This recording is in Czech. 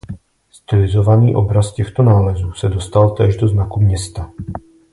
Stylizovaný obraz těchto nálezů se dostal též do znaku města.